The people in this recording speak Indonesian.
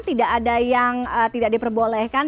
tidak ada yang tidak diperbolehkan